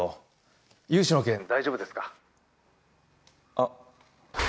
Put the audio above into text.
あっ。